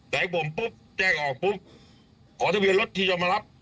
ให้ผมปุ๊บแจ้งออกปุ๊บขอทะเบียนรถที่ยอมมารับ